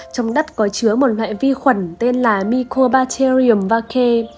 trong đất có chứa một loại vi khuẩn tên là mycobacterium vacae